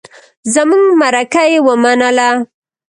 زمونږ مرکه يې ومنله.